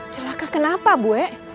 celaka kenapa bu